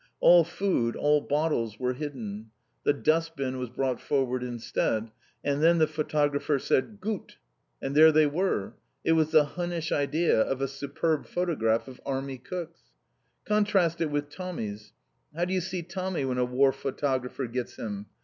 All food, all bottles, were hidden. The dustbin was brought forward instead. And then the photographer said "gut!" And there they were! It was the Hunnish idea of a superb photograph of Army Cooks. Contrast it with Tommy's! How do you see Tommy when a war photographer gets him?